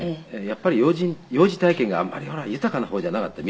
やっぱり幼児体験があんまりほら豊かな方じゃなかった。